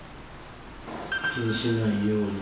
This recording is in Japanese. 気にしないように。